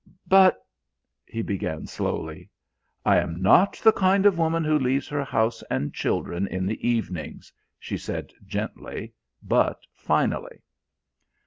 "But," he began slowly. "I am not the kind of woman who leaves her house and children in the evenings," she said gently, but finally.